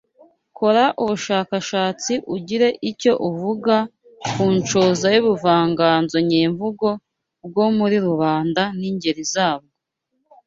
Kora ubushakashatsi ugire icyo uvuga ku nshoza y’ubuvanganzo nyemvugo bwo muri rubanda n’ingeri zabwo